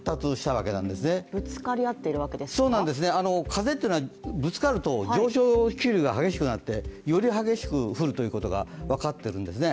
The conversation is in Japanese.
そうなんですね、風というのは、ぶつかると上昇気流が激しくなってより激しくなることが分かっているんですね。